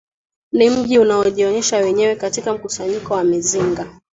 Ni mji unajionesha wenyewe katika mkusanyiko wa mizinga